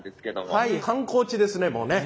はい観光地ですねもうね。